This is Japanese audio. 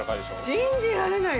信じられない。